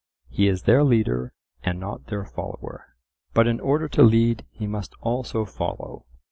He is their leader and not their follower, but in order to lead he must also follow.